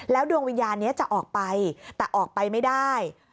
ดวงวิญญาณนี้จะออกไปแต่ออกไปไม่ได้